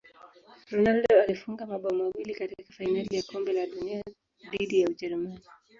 ronaldo alifunga mabao mawili katika fainali ya kombe la dunia dhidi ya ujerumani